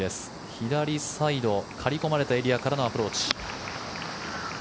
左サイド、刈り込まれたエリアからのアプローチ。